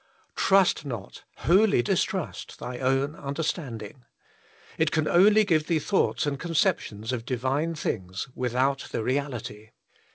Trust not, wholly distrust, thy own understand ing. It can only give thee thoughts and concep tions of Divine things without the reality.